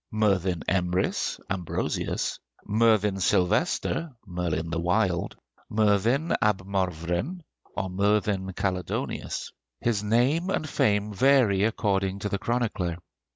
Merddin Emrys (Ambrosius), Merddin Sylvester (Merlin the Wild), Merddin ab Morvryn (or Merlin Caledonius), his name and fame vary according to the chronicler.